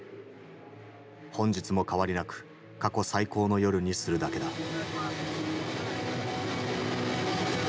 本日も変わりなく過去最高の夜にするだけだ。